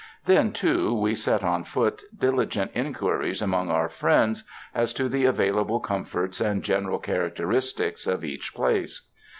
Then, too, we set on foot dili gent inquiries among our friends as to the available comforts and general characteristics of each place.